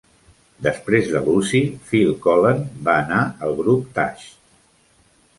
Després de Lucy, Phil Collen va anar al grup Tush.